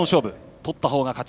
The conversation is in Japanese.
取ったほうが勝ち。